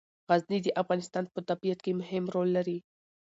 غزني د افغانستان په طبیعت کې مهم رول لري.